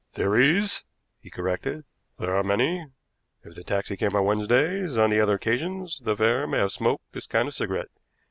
"Theories," he corrected; "there are many. If the taxi came on Wednesdays on the other occasions, the fare may have smoked this kind of cigarette.